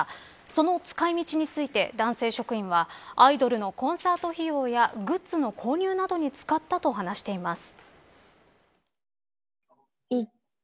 その使い道について男性職員はアイドルのコンサート費用やグッズの購入などに使ったと話しています。